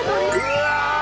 うわ！